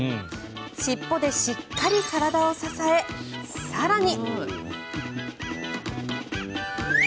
尻尾でしっかり体を支え更に。